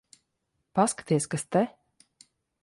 Paskaties, kas te...